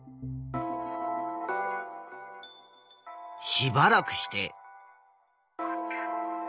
しばらくして。